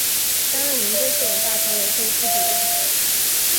担任宁波市人大常委会副主任。